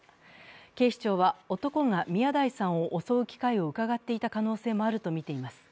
警視庁は、男が宮台さんを襲う機会をうかがっていた可能性もあるとみています。